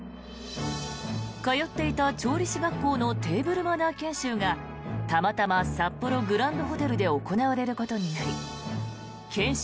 通っていた調理師学校のテーブルマナー研修がたまたま札幌グランドホテルで行われることになり研修